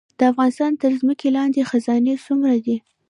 د افغانستان تر ځمکې لاندې خزانې څومره دي؟